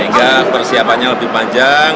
hingga persiapannya lebih panjang